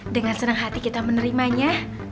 dengan senang hati kita menerimanya